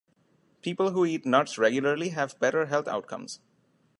People who eat nuts regularly have better health outcomes.